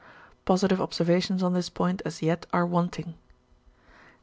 Positive observations on this point as yet are wanting.